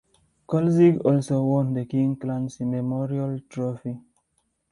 Kolzig also won the King Clancy Memorial Trophy.